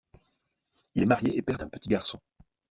Il est marié et père d'un petit garçon.